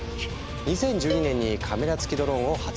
２０１２年にカメラ付きドローンを発売。